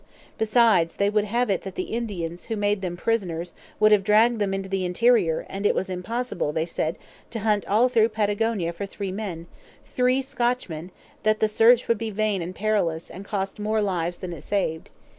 Besides, they would have it that the Indians, who made them prisoners, would have dragged them into the interior, and it was impossible, they said, to hunt all through Patagonia for three men three Scotchmen; that the search would be vain and perilous, and cost more lives than it saved.